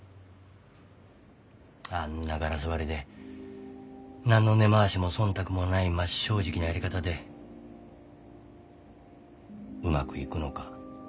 あんなガラス張りで何の根回しも忖度もない真っ正直なやり方でうまくいくのか。